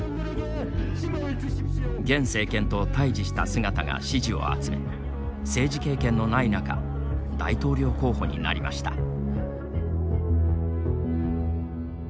現政権と対じした姿が支持を集め政治経験のない中大統領候補になりました。